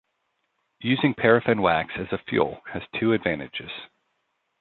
Using paraffin wax as a fuel has two advantages.